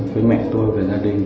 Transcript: với mẹ tôi và gia đình